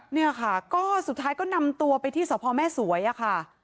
เนี่ยค่ะสุดท้ายก็นำตัวไปที่สระพอแม่สูทน์